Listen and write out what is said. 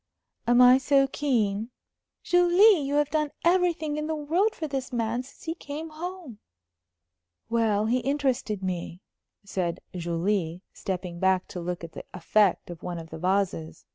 "Am I so keen?" "Julie, you have done everything in the world for this man since he came home." "Well, he interested me," said Julie, stepping back to look at the effect of one of the vases.